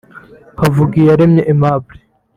Havugiyaremye Aimable